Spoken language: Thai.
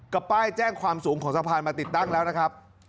ป้ายแจ้งความสูงของสะพานมาติดตั้งแล้วนะครับ